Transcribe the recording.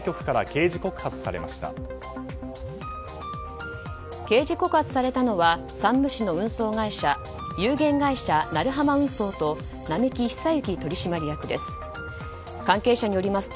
刑事告発されたのは山武市の運送会社有限会社鳴浜運送と並木久幸取締役です。